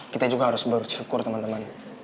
kita juga harus bersyukur temen temen